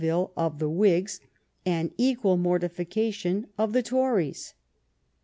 Oreille, " of the Whigs, and equal mortification of the Tories."